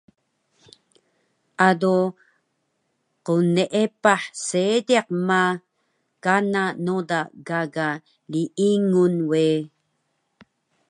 Ado qneepah seediq ma, kana noda gaga liingun we